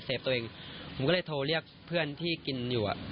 ตัวเองผมก็เลยโทรเรียกเพื่อนที่กินอยู่อ่ะ